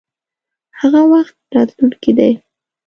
هغه وخت راتلونکی دی.